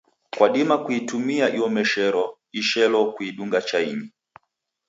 Kwadima kuitumia iomeshero ishelo kuidunga chainyi.